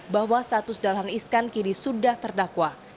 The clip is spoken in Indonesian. bahwa status dahlan iskan kini sudah terdakwa